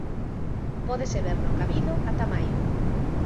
Pódese ver no cabido ata maio.